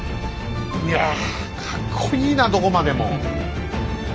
いやかっこいいなどこまでも！